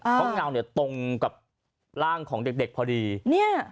เต้องเงาตรงกับล่างของเด็กพอดี